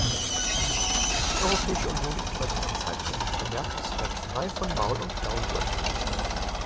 Die Europäische Union ist über diesen Zeitraum bemerkenswert frei von Maul- und Klauenseuche gewesen.